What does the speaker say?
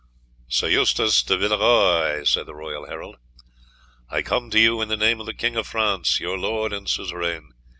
"Sir Eustace de Villeroy." he said, "I come to you in the name of the King of France, your lord and suzerain.